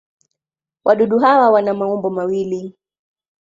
Wadudu hawa wana maumbo mawili.